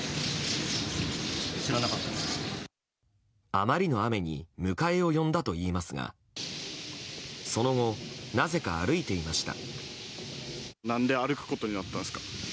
あまりの雨に迎えを呼んだといいますがその後、なぜか歩いていました。